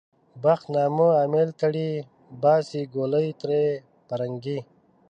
بخت نامه امېل تړي - باسي ګولۍ تر پرنګي